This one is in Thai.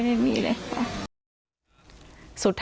มันมีแม่ด้วย